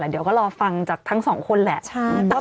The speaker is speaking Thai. เดี๋ยวก็รอฟังจากทั้งสองคนแหละ